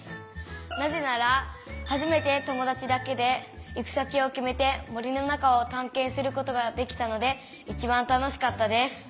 なぜなら初めて友だちだけで行き先を決めて森の中を探検することができたので一番楽しかったです。